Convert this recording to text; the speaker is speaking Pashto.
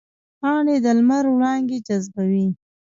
پاڼې د لمر وړانګې جذبوي